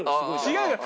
違うよ！